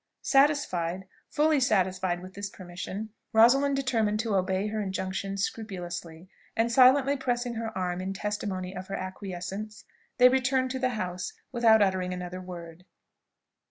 Satisfied, fully satisfied with this permission, Rosalind determined to obey her injunction scrupulously, and silently pressing her arm in testimony of her acquiescence, they returned to the house without uttering another word.